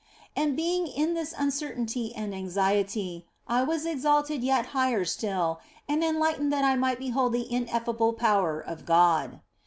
And being in this un certainty and anxiety, I was exalted yet higher still and enlightened that I might behold the ineffable power of God.